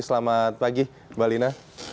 selamat pagi mbak lina